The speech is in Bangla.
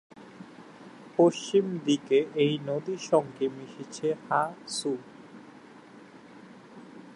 পশ্চিম দিকে এই নদীর সঙ্গে মিশেছে হা ছু।